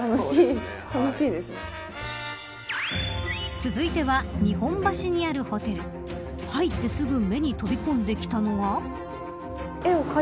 続いては、日本橋にあるホテル入ってすぐ目に飛び込んできたのは。